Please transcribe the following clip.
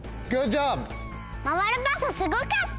まわるパスすごかった！